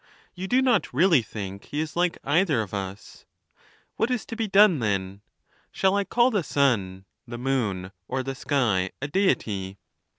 You do not really think he is like either of us. What is to be done, then ? Shall I call the sun, the moon, or the sky a Deity